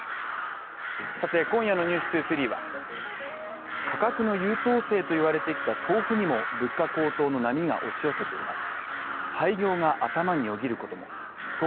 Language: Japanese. さて今夜の「ｎｅｗｓ２３」は価格の優等生と言われてきた豆腐にも物価高騰の波が押し寄せています